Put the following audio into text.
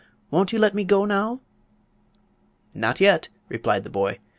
"Won't you let me go now?" "Not yet," replied the boy.